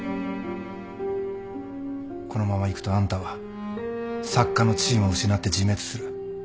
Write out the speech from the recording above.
このままいくとあんたは作家の地位も失って自滅する。